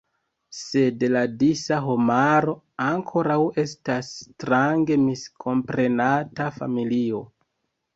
Sed la disa homaro ankoraŭ estas strange miskomprenata familio.